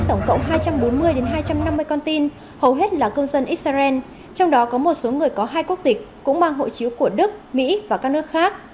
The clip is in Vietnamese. tổng cộng hai trăm bốn mươi hai trăm năm mươi con tin hầu hết là công dân israel trong đó có một số người có hai quốc tịch cũng mang hộ chiếu của đức mỹ và các nước khác